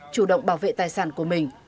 chủ động bảo vệ tài sản của mình